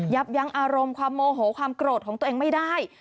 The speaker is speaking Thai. ยับยั้งอารมณ์ความโมโหความโกรธของตัวเองไม่ได้